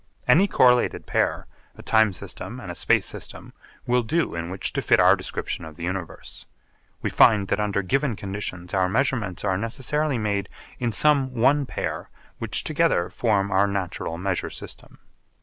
Any correlated pair, a time system and a space system, will do in which to fit our description of the Universe. We find that under given conditions our measurements are necessarily made in some one pair which together form our natural measure system.